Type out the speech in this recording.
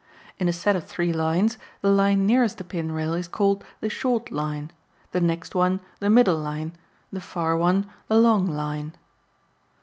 In a set of three lines, the line nearest the pin rail is called the "short line," the next one the middle line, the far one the long line.